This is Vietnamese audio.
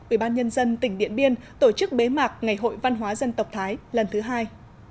ubnd tỉnh điện biên tổ chức bế mạc ngày hội văn hóa dân tộc thái lần thứ hai